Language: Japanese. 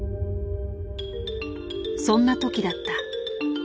そんな時だった。